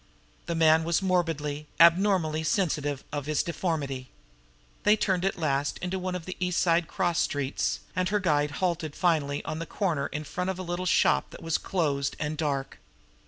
The man was morbidly, abnormally sensitive of his deformity. They turned at last into one of the East Side cross streets, and her guide halted finally on a corner in front of a little shop that was closed and dark.